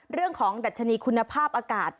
เรื่องของดัชนีคุณภาพอากาศ